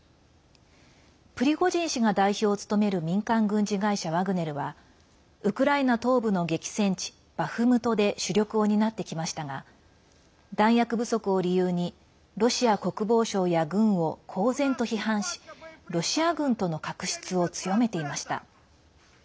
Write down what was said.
プリゴジン氏が代表を務める民間軍事会社ワグネルはウクライナ東部の激戦地バフムトで主力を担ってきましたが弾薬不足を理由にロシア国防省や軍を公然と批判しロシア軍との確執を強めていました。